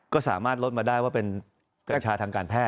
ก็สามารถลดมาได้ว่าเป็นกัญชาทางการแพท